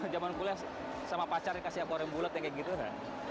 zaman kuliah sama pacar dikasih aquarium bulat kayak gitu kan